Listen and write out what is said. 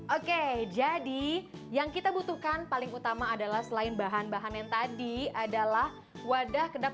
oke jadi yang kita butuhkan paling utama adalah selain bahan bahan yang tadi adalah wadah kedap